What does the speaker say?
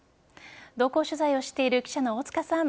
同行取材をしている記者の大塚さん